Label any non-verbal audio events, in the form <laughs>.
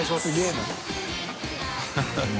ハハハ <laughs>